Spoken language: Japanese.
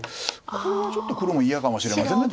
これはちょっと黒も嫌かもしれません。